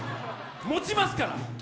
もちますから。